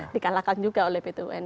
dikalahkan juga oleh pt un